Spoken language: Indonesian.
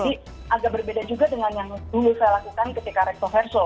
jadi agak berbeda juga dengan yang dulu saya lakukan ketika rekso verso